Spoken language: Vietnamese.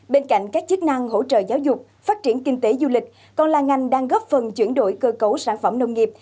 bên cạnh các chức năng hỗ trợ giáo dục phát triển kinh tế du lịch còn là ngành đang góp phần chuyển đổi cơ cấu sản phẩm nông nghiệp